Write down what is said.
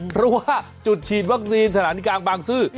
เพราะว่าจุดฉีดวัคซีนสถานีกลางบางซื่อ